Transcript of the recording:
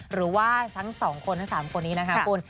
หรือว่าทั้ง๒คนทั้ง๓คนนี้นะคะคุณ